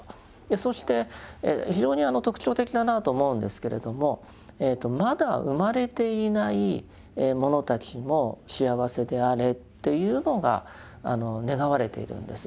そして非常に特徴的だなと思うんですけれどもまだ生まれていないものたちも幸せであれというのが願われているんです。